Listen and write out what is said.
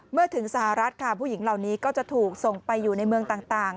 เมื่อถึงสหรัฐค่ะผู้หญิงเหล่านี้ก็จะถูกส่งไปอยู่ในเมืองต่าง